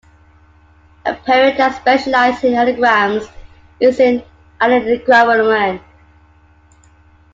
A poet that specializes in anagrams is an anagrammarian.